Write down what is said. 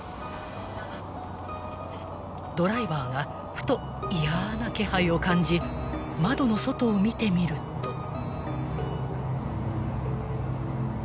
［ドライバーがふと嫌な気配を感じ窓の外を見てみると］